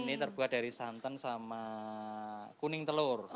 ini terbuat dari santan sama kuning telur